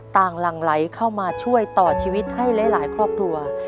หลังไหลเข้ามาช่วยต่อชีวิตให้หลายครอบครัว